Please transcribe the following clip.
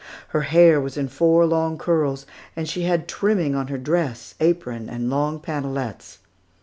Her hair was in four long curls, and she had trimming on her dress, apron, and long pantalets.